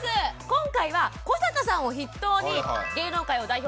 今回は古坂さんを筆頭に芸能界を代表します